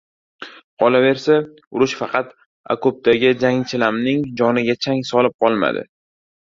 Qolaversa, urush faqat okopdagi jangchilaming joniga chang solib qolmadi.